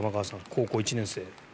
高校１年生。